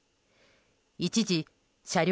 一時、車両